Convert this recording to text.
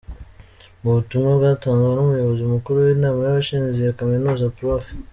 Mu butumwa bwatanzwe n’Umuyobozi Mukuru w’Inama y’abashinze iyo kaminuza, Prof.